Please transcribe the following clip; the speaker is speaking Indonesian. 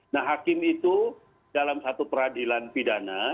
nah hakim itu dalam satu peradilan pidana